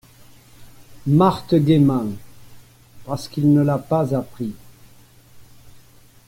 Marthe gaiement. — Parce qu’il ne l’a pas appris.